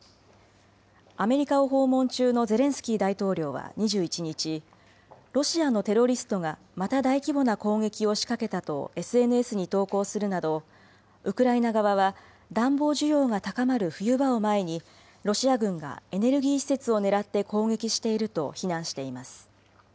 アメリカを訪問中のゼレンスキー大統領は２１日、ロシアのテロリストがまた大規模な攻撃を仕掛けたとＳＮＳに投稿するなど、ウクライナ側は暖房需要が高まる冬場を前に、ロシア軍がエネルギー施設を狙って攻撃していると非難しています。